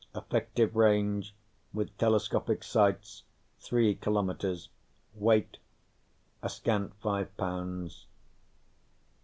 Effective range, with telescopic sights, three kilometers; weight, a scant five pounds.